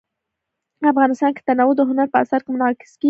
افغانستان کې تنوع د هنر په اثار کې منعکس کېږي.